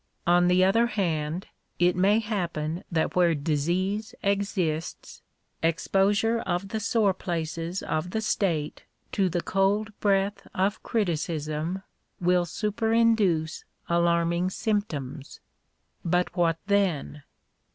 On the other hand it may happen that where disease exists, exposure of the sore places of the state to the cold breath of criticism, will superinduce alarming symptoms. But what then